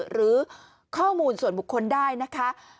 หรือข้อมูลส่วนบุคคลได้นะคะ